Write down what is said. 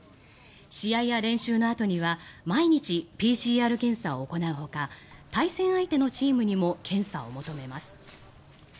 試合や練習のあとには毎日、ＰＣＲ検査を行うほか対戦相手のチームにも検査を求めます。